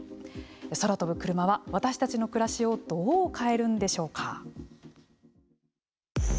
空飛ぶクルマは私たちの暮らしをどう変えるんでしょうか。